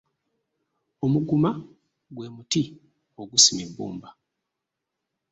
Omuguma gwe muti ogusima ebbumba.